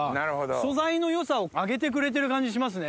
素材の良さを上げてくれてる感じしますね。